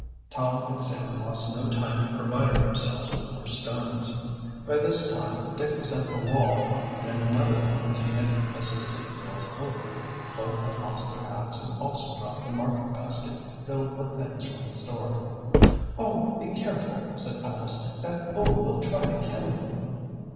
Tom and Sam lost no time in providing themselves with more stones. By this time Dick was at the wall and in another moment he had assisted the girls over. Both had lost their hats and also dropped the market basket filled with things from the store. "Oh, be careful," said Alice. "That bull will try to kill you."